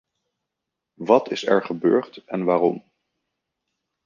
Wat is er gebeurd en waarom?